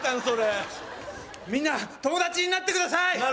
それみんな友達になってください！